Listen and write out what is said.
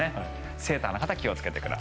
セーターの人気をつけてください。